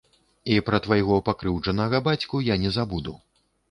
І пра твайго пакрыўджанага бацьку я не забуду.